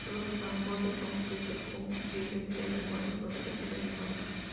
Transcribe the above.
Los tambores son cubiertos con pieles de animales o dibujos de animales.